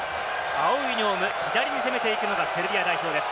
青いユニホーム、左に攻めていくのがセルビア代表です。